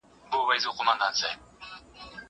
زه له سهاره د ښوونځی لپاره امادګي نيسم!!